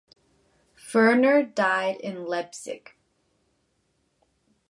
Ferner died in Leipzig.